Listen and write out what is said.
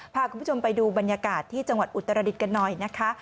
พาคุณผู้ชมไปดูบรรยากาศที่จังหวัดอุตรดิษฐ์กันหน่อยนะคะ